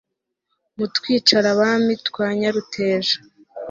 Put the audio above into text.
mu twicarabami twa nyaruteja